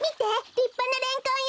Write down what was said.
りっぱなレンコンよ！